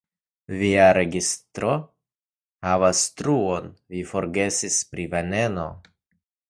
Via registro havas truon: vi forgesis pri veneno.